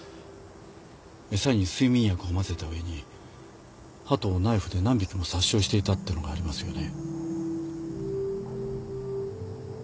餌に睡眠薬を混ぜた上にハトをナイフで何匹も殺傷していたってのがありますよね？